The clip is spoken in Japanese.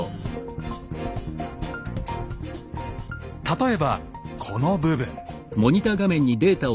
例えばこの部分。